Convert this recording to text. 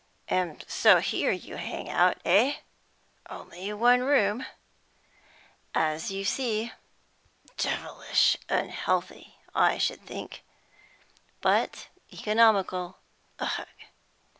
"And so here you hang out, eh? Only one room?" "As you see." "Devilish unhealthy, I should think." "But economical." "Ugh!"